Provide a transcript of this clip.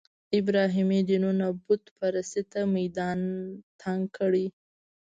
ابراهیمي دینونو بوت پرستۍ ته میدان تنګ کړی.